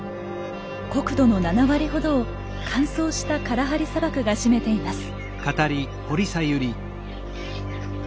国土の７割ほどを乾燥したカラハリ砂漠が占めています。